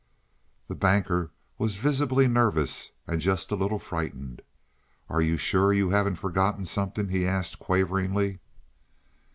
The Banker was visibly nervous and just a little frightened. "Are you sure you haven't forgotten something?" he asked, quaveringly.